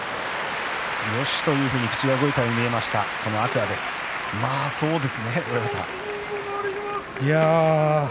よし！というように口が動いたように見えた天空海です。